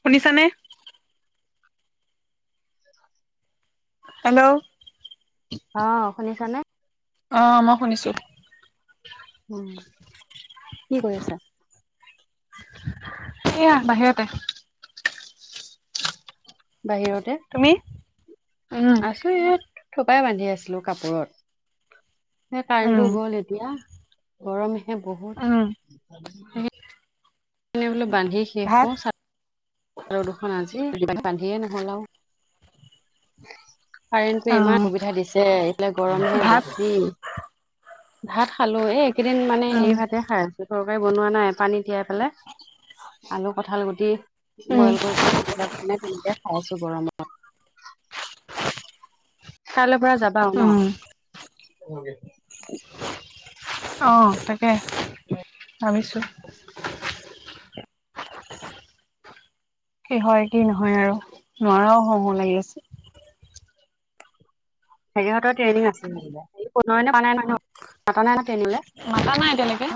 শুনিছা নে হেল্ল' অ শুনিছা নে অ মই শুনিছো উম কি কৰি আছা এইয়া বাহিৰতে বাহিৰতে উম উম আছো ইয়াত থোপাই বান্ধি আছিলো কাপোৰত সে কাৰেণ্টটো গ'ল এতিয়া গৰমহে উম বহুত বোলে বান্ধি শেষ ভাত কৰো চাদ বান্ধি বান্ধিয়ে নহল আও কাৰেণ্টটোৱে ইমান অহ অসুবিধা দিছে এইফালে গৰমহে ভাত বেছি ভাত খালো এই একেইদিন মানে উম হেৰি ভাতে খাই আছো তৰকাৰী বনোৱা নাই পানীত তিয়াই পেলাই আলু কঠাল গুটি উম বইল কৰি পেলাই পেটিকা বনাই তেনেকে খাই আছো গৰমত কাইলৈৰ পৰা যাবা আও ন উম অ তাকে ভাবিছোঁ [unintelligible] কি হয় কি নহয় আৰু নোৱাৰাও হও হও লাগি আছে হেৰিহঁতৰ ট্ৰেইনিং আছিল ন নয়নে কোৱা নাই ন মতা নাই ন ট্ৰেনিঙলে মাতা নাই তেনেকে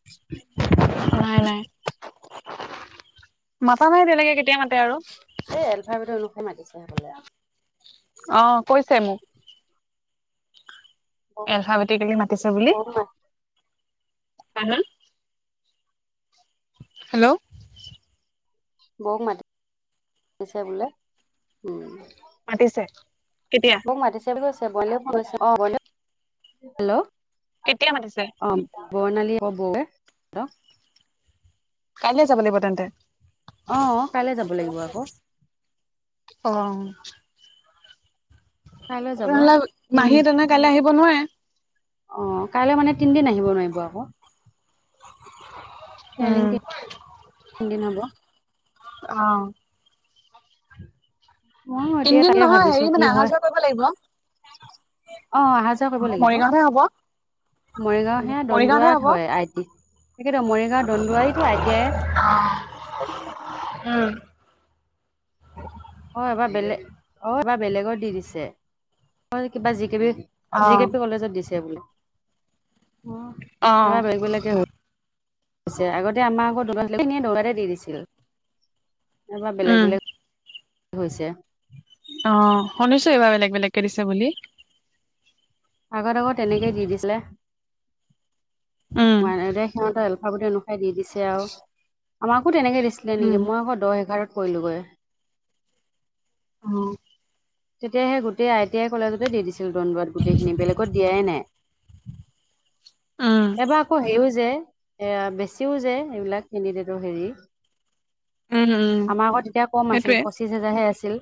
[unintelligible] নাই নাই মাতা নাই তেনেকে কেতিয়া মাত এই এলফাবেটৰ লোকহে মাতিছে হবলা অ কৈছে মোক বৌ এলফাবেটিকলি মাতিছে বুলি বৌক মা হা হা হেল্ল' বৌক মাতিছে বোলে। উম। মাতিছে। কেতিয়া মোক মাতিছে বুলি কৈছে। [unintelligible] হেল্ল' কেতিয়া মাতিছে অ বৰ্ণালি বৌৱে [unintelligible] কাইলৈ যাব লাগিব তেন্তে। অ কাইলে যাব লাগিব আকৌ। অ। কাইলৈ যাব তেনেহলে তিন মাহী তেনে কাইলে আহিব নোৱাৰে। অ, কাইলে মানে তিনিদিন আহিব নোৱাৰিব আকৌ। ট্ৰেইনিং উম দি [unintelligible] হ'ব। অ। ময়ো এতিয়া তিনদিন তাকে নহয়, ভাবিছো হেৰি কি মানে হয় অহা-যোৱা কৰিব লাগিব। অ, অহা-যোৱা কৰিব লাগিব। মৰিগাঁওতহে হ'ব মৰিগাঁও হে মৰিগাঁওতহে দন্দুৱাত হ'ব হয় আই টি। তাকেটো মৰিগাঁও দন্দুৱাৰীতো আই টি আই। [unintelligible] তাপা বেলেগ অ এবাৰ বেলেগত দি দিছে। অ কিবা যি কিবি অ জি কে পি কলেজত দিছে বোলে। অ এব বেলেগকে আগতে আমাক আকৌ দুবখিনিয়ে দবাৰে দি দিছিল। এবাৰ উম বেলেগ-বেলেগ হৈছে। অ শুনিছো বেলেগ বেলেগকে দিছে বুলি। আগত আকৌ তেনেকেই দি দিছিলে। উম সিহঁতৰ এলফাবটি অনুসাৰে দি দিছে আৰু আমাক তেনেকে দিছিলে উম নেকি? মই আকৌ দহ এঘাৰত পৰিলোঁগৈ। অ। তেতিয়াহে গোটেই আই টি আই কলেজতে দি দিছিল। দণ্ডৱাত গোটেইখিনি বেলেগত দিয়াই নাই। উম এবাৰ আকৌ হেইও যে এয়া বেছিও যে এইবিলাক কেণ্ডিডেটৰ হেৰি। উম উম আমাৰ আকৌ তেতিয়া কম আছিল। সেইটোৱে পঁচিশ হেজাৰহে আছিল।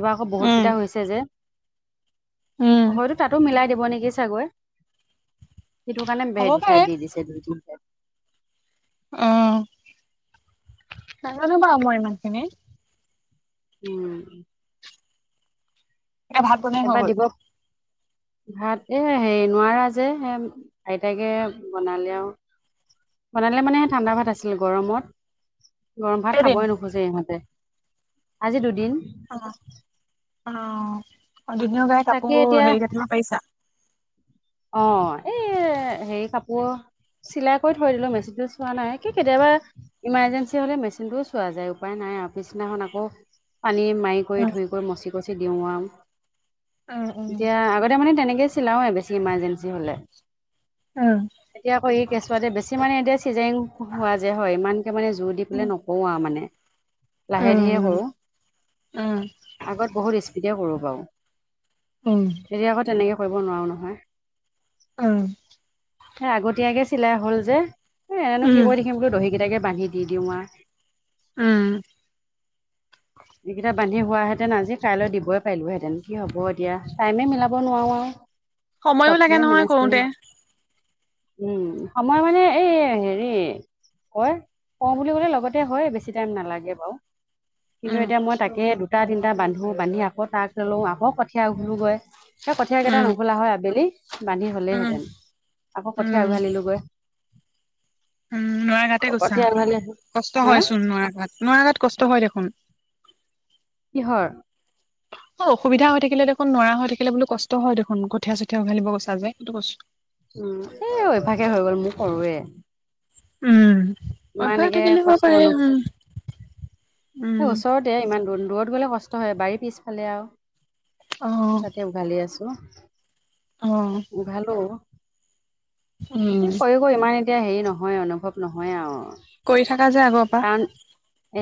এইবাৰ বহুত উম কেইটা হৈছে যে। উম হয়তো তাতো মিলাই দিব নেকি চাগৈ। সেইটো কাৰণে হ'ব বেলেগ পাৰে ঠাইত দিছে দুই, তিনি ঠাইত। ও, নাজানো বাৰু মই ইমান খিনি। উম। এতিয়া ভাত বনাই হৈ এবাৰ গল। দিব ভাত এ হেৰি নোৱাৰা যে। আইতাকে বনালে আৰু। বনালে মানে স ঠাণ্ডা ভাত আছিল। গৰমত গৰম ভাত কেইদিন খাবই নোখোজে ইহঁতে। আজি দুদিন অ-অ দুনীয়া গাই তাকে কাপোৰবোৰ এতিয়া হেৰি কাটিব পাৰিছা? অ এই হেৰি কাপোৰৰ চিলাই কৰি থৈ দিলো। মেচিন টো চোৱা নাই। কি কেতিয়াবা ইমাৰজেঞ্চি হ'লে মেচিনটোও চোৱা যায় উপাই নাই। নাই পিছদিনাখন আকৌ পানী মাৰি কৰি উম ধৰি কৰি মচি কচি দিও আৰু উম এতিয়া আগতে মানে তেনেকে ছিলাওৱে বেছি ইমাৰজেঞ্চি হলে। উম। এতিয়া আকৌ ই কেঁচুৱাতে বেছি মানে এতিয়া চিজাইং হোৱা যে হয় ইমানকে মানে জোৰ দি পেলাই নকৰো আৰু মানে। লাহে ধীৰে উম উম কৰোঁ। উম আগত বহুত স্পীডে কৰিব বাৰু। উম এতিয়া আকৌ তেনেকে কৰিব নোৱাৰো নহয়। অ। স আগতীয়াকে চিলাই হ'ল যে। এ এনেনো কি উম কৰি থাকিম বোলো দহি কিটাকে বান্ধি দি দিওঁ আ উম! এইকেইটা বান্ধি হোৱাহেতেন আজি কাইল সময়ো লাগে চবপিনে নহয় মেনেছ কৰি কৰোতে। উম সময় মানে এই হেৰি কয় কওঁ বুলি কলে লগতে হয় বেছি টাইম নালাগে বাৰু। কিন্তু উম, এতিয়া মই তাকেই দুটা তিনিটা বান্ধো বান্ধি আকৌ তাক লওঁ আকৌ কঠীয়া উঘোলো গৈ। সে কঠীয় কেইটা উম, নুখোলা হয় আবেলি বান্ধি উম, হলেইহেঁতেন আকৌ কঠীয়া উম, উঘালিলো গৈ। উম নোৱাৰা গাতে গৈছা কঠীয়া উঘালি কষ্ট হা হয় চোন নোৱাৰা গাত নোৱাৰা গাত কষ্ট হয় দেখোন। কিহৰ! অসুবিধা হৈ থাকিলে দেখোন নোৱাৰা হৈ থাকিলেও কষ্ট হয় দেখোন কঠীয়া চঠীয়া উঘালিব গৈছা যে সেইটো কৈছো- উম এ অভ্যাসে হৈ গ'ল মোৰ কৰোৱে উম! ইমান অভ্যাস একে থাকিলে হ'ব কষ্ট পাৰে নহ উম, এ উম, ওচৰতে ইমান দূৰ দূৰত গ'লে কষ্ট হয় বাৰী পিছফালে আৰু অ', তাতে উঘালি আছো। অ', উঘালো এ উম, ক ই ক ই ইমান এতিয়া হেৰি নহয় অনুভৱ নহয় আও কৰি থাকা যে আগৰ পা।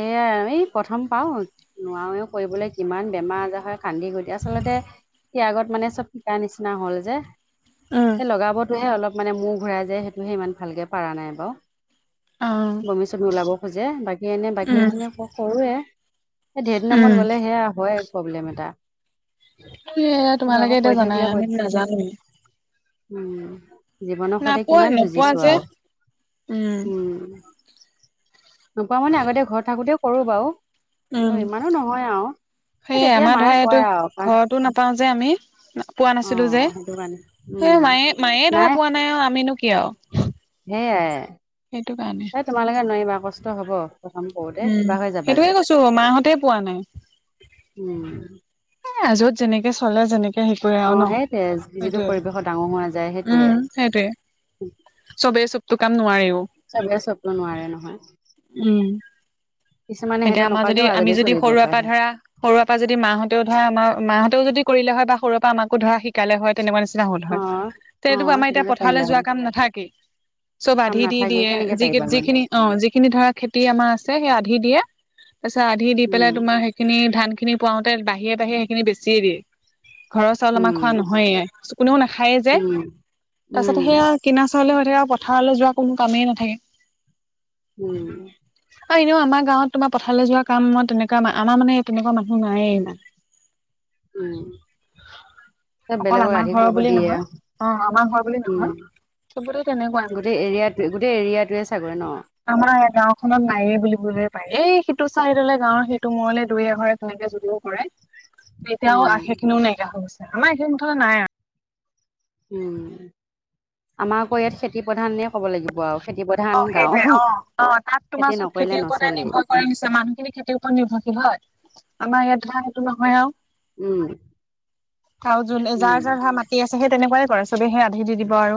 এয়া আৰু প্ৰথম পাও নোৱাৰোৱে কৰিবলে কিমান বেমাৰ আজাৰ হয়। কান্দি গৈ দিয়া আচলতে ত্যাগত মানে চব শিকা নিচিনা হল যে। উম, হে লগাবতহে অলপ মানে মূৰ ঘূৰাই যায় সেইটোহে ইমান ভালকে পাৰ নাই বাৰু। অ', বমি চমি ওলাব খোজে বাকী এনে বাকী উম, এইখিনি কৰোয়ে। ঢেৰ দিনৰ উম, মুৰত গ'লে সেয়া হয় প্ৰব্লেম এটা। এ কিন্তু তোমালোকে আকৌ এতিয়া কৰি জানাই থাকিলে আমি কৈ নাজানো এ উম জীৱনৰ সৈতে কিমান নোপোৱা যুঁজিছো যে আৰু উম, উম। নোপোৱা মানে আগতে ঘৰত থাকোঁতেও কৰোঁ বাৰু কিন্তু ইমানো নহয়, আও সেইয়া আমাৰ ধৰা এইটো ঘৰতো নাপাও যে আমি পোৱা অ নাছিলো যে। সেইটো কাৰণে উম মায়ে মায়ে ধৰা পোৱা নাই আৰু আমিনো কি আও সেয়াই এই তোমালোকে নোৱাৰিবা কষ্ট হ'ব। প্ৰথম কৰোতে উম কিবা হৈ যাবাগে সেইটোকে কৈছো মাহঁতেই পোৱা নাই। উম, এআ যত যেনেকে চলে যেনেকে হে কৰে অ আৰু ন সেইটোৱে যিটো সেইটোয়ে পৰিৱেশত ডাঙৰ হোৱা যায় সেইটোৱে উম সেইটোৱে। চবেই চবতো কাম নোৱাৰেও। চবে চবতো নোৱাৰে নহয় উম্। কিছুমানে এতিয়া সেইটো আমাৰ যদি নকৰাকেও আমি আজাদি যদি চলিব সৰুৰে পাৰে পৰা হয়। ধৰা সৰুৰে পৰা যদি মাহঁতেও ধৰা আমাৰ মাহঁতেও যদি, কৰিলে হয় বা সৰুৰ পৰা আমাকো ধৰা শিকালে হয়। তেনেকুৱা নিচিনা হল অ হয় তে অ আমাৰ এতিয়া তেনেকে পাৰিলা পথাৰলে হয় যোৱা কাম নাথাকেই। চব কাম আধি দি নাথাকে দিয়ে কেনেকে যি পাৰিবা মান যিখিনি অ যিখিনি ধৰা খেতি আমাৰ আছে সেই আধি দিয়ে। তাৰপিছত আধি দি উম পেলাই তোমাৰ সেইখিনি ধান খিনি পোৱাওতে বাহিৰে বাহিৰে সেইখিনি বেছিয়ে দিয়ে। ঘৰৰ চাউল আমাৰ উম খোৱা নহয়ে কোনেও নাখায়েই যে। উম তাৰপিছতে উম সেইয়া কিনা চাউলে হৈ থাকে পথাৰলে যোৱা কোনো কামেই নাথাকে। উম্। আৰু এনেও আমাৰ গাঁৱত তোমাৰ পথাৰলে যোৱা কাম মই তেনেকুৱা আমাৰ মানে তেনেকুৱা মানুহ নায়ে ইমান। উম্। অকল আমাৰ ঘৰৰ বুলি নহয় অ আমাৰ ঘৰ বুলি উম নহয়। সবতে তেনেকুৱা গোটেই এৰিয়াটো গোটেই এৰিয়াটোৱে চাগৈ ন আমাৰ গাও খনত নাইয়ে বুলিবল পাই এই সিটো চাইডলে গাঁৱৰ সিটো মূৰলে দুই এঘৰে তেনেকে যদিও কৰে। তেতিয়াও উম আশে খিনিও নাইকিয়া হৈ গৈছে। আমাৰ এইখিন মুঠতে নাই, আৰু উম আমাৰ আকৌ ইয়াত খেতি প্ৰধান নে ক'ব লাগিব আও খেতি। প্ৰধান অ সেইটোৱে গাঁও অ অ তাত তোমাৰ খেতি ওচৰত নকৰিলে খেতিৰ ওপৰতে নচলেই নিৰ্ভৰ কৰি নিছে মানুহখিনি খেৰ ওপৰত নিৰ্ভৰশীল হয়। হয় আমাৰ ইয়াত ধানটো নহয় আও উম। আৰু জো উম যাৰ যাৰ হা মাটি আছে সেই তেনেকুৱাই কৰে চবে সে আধি দি দিব, আৰু।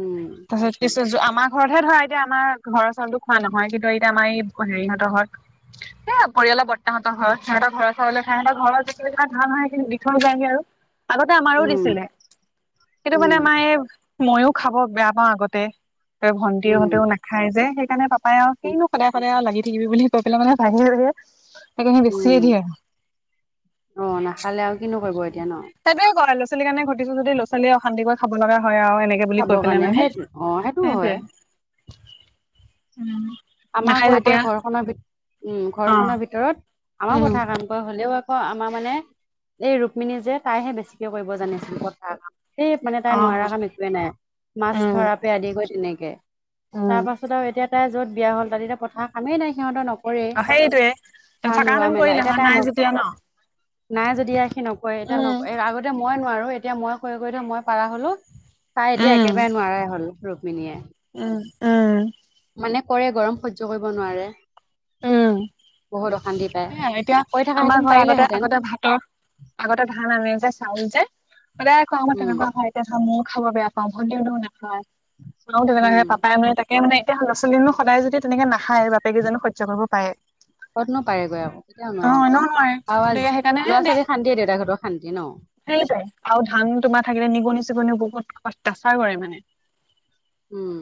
উম তাৰছত পিছত আমাক ঘৰতহে ধৰা এতিয়া আমাৰ ঘৰৰ চাউলতো খোৱা নহয়, কিন্তু এতিয়া আমাৰ ই হেৰি হঁতৰ ঘৰত এই পৰি বৰ্তাহঁতৰ ঘৰত সিহঁতে ঘৰ চাউল খায়। [unintelligible] যাইগে আৰু আগতে আমাৰো উম দিছিলে। কিন্তু মানে উম আমাৰ এই মইও খাব বেয়া পাও আগতে। ত ভন্টিহঁতেও উম নাখায় যে, সেইকাৰণে পা পায় কিনো সদায় সদায় আৰু লাগি থাকিবি বুলি কৈ পেলাই মানে ভাঙি থৈ দিয়ে। [unintelligible] বেছিয়ে উম দিয়ে। অ নাখালে আৰু কিনো কৰিব এতিয়া ন সেইটো এ ক ল'ৰা ছোৱালী কাৰণে ঘটিছ যদি, ল'ৰা-ছোৱালীয়ে অশান্তিক কৰি খাব লগা হয় আৰু এনেকে বুলি খাবৰ কৈ পেলাই কাৰণে মানে। সেই অ সেইটো হয় সেইটোৱে। আমাৰ আকৌ এতিয়া ঘৰখনৰ ভিত উম অ ঘৰখনৰ ভিতৰত আমাৰ উম কথা কান ক হ'লে হও আকৌ আমাৰ মানে এই ৰুক্মিণী যে, তাইহে বেছিকে কৰিব জানিছিল পথা কাম। সেই মানে অ তাই নোৱাৰা কাম একোৱেই নাই। মাছ উম ধৰা পা আদি কৰি তেনেকে। উম তাৰ পাছত আৰু এতিয়া তাই য'ত বিয়া হ'ল তাত এতিয়া পথাৰ কামেই নাই। সিহঁতৰ নক কৰে। অ সেইটোয়ে ধান ৰোৱা থকাহেঁতেন মেলা, কৰিলে এতিয়া হয় তাই নাই নক যেতিয়া ন নাই যদি সি নকৰে এতিয়া। উম নকয় আগতে মই নোৱাৰো এতিয়া মই কৰি কৰি মই পাৰা হলো। তাই এতিয়া উম একেবাৰে নোৱাৰাই হল ৰুক্মিণীয়ে। উম, উম। মানে কৰে গৰম সহ্য কৰিব নোৱাৰে। উম বহুত অশান্তি পায় সেইয়াই এতিয়া কৰি আমাৰ থকাহেঁতেন ঘৰ আগতে পাৰিলেহেঁতেন আগতে ভাতৰ আগতে ধান আনে যে চাউল যে। সদায় [unintelligible] উম তেনেকুৱা ঠাইতে ধো খাব বেয়া পাওঁ। ভণ্টিহতো নাখায়। ম উম তেনেকে পাপাই মান তাকে মানে এতিয়া ল'ৰা ছোৱালীয়েনো সদায় যদি তেনেকে নাখায় বাপেকে জানো সহ্য কৰিব পাৰে? কতনো পাৰেগৈ আৰু। কিয় অ নোৱাৰে নো? এনেও আৰু গতিকে সেইকাৰণে দে ল'ৰা-ছোৱালী শান্তিয়ে দেউতাকহঁতৰ শান্তি ন। সেইটোৱে আৰু ধান তোমাৰ থাকিলে নিগনি চিগনিও বহুত অত্যাচাৰ কৰে মানে। উম।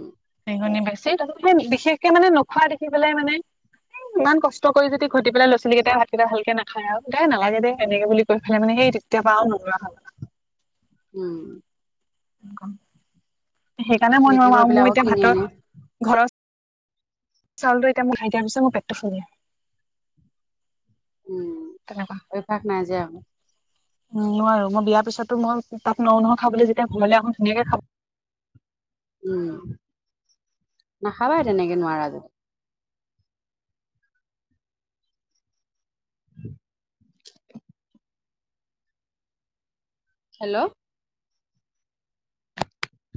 [unintelligible] তাৰ বিশেষকে মানে নোখোৱা দেখি পেলাই মানে ইমান কছ কষ্ট কৰি যদি ঘটি পেলাই ল'ৰা-ছোৱালী কেইটাই ভাতকেইটা ভালকে নাখায় আও দে নালাগে দে এনেকে বুলি গৈ পেলাই মানে সেই তেতিয়াৰ পৰা আও নোলোৱা হ'ল। উম। সেইকাৰণে মই বিক্ৰী নোৱাৰু কৰি আৰু পেলাই মোৰ আকৌ এতিয়া কিনি ভাতৰ আনে ঘৰত চাউলটো এতিয়া মোৰ [unintelligible] মোৰ পেটটো ফুলে। উম ঐ ফাক নাই আমাৰ। উম নোৱাৰো মই বিয়াৰ পিছতো মই তাত নোৱাৰোঁ নহয় খাবলে। যেতিয়া ঘৰলে আহোঁ ধুনীয়াকে খাব উম নাখাবা তেনেকে নোৱাৰা যদি [inaudible] হেল্ল'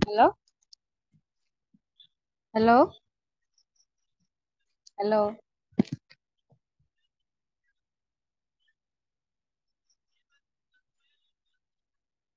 হেল্ল' হেল্ল' হেল্ল'